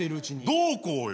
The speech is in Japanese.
どうこうよ。